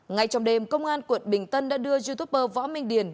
ngay trong đêm công an quận bình tân đã đưa youtuber võ minh điền